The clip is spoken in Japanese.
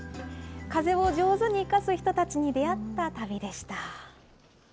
風を上手に生かす人たちに出会った旅でした。